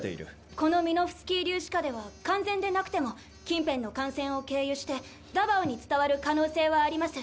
このミノフスキー粒子下では完全でなくても近辺の艦船を経由してダバオに伝わる可能性はあります。